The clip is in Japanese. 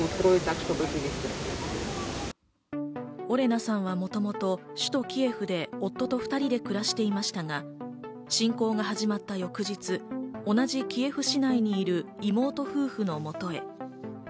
オレナさんはもともと首都・キエフで夫と２人で暮らしていましたが、侵攻が始まった翌日、同じキエフ市内にいる妹夫婦のもとへ。